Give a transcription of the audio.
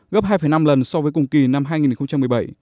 gấp hai năm lần so với cùng kỳ năm hai nghìn một mươi bảy